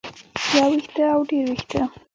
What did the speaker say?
يو وېښتۀ او ډېر وېښتۀ